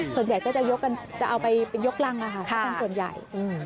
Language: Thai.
ส่วนใหญ่ก็จะเอาไปเป็นยกรังก็เป็นส่วนใหญ่